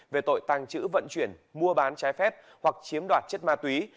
về tội tàng trữ vận chuyển mua bán trái phép hoặc chiếm đoạt chất ma túy